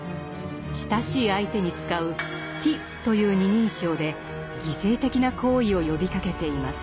親しい相手に使う「ティ」という二人称で犠牲的な行為を呼びかけています。